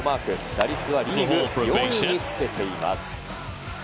打率はリーグ４位につけています。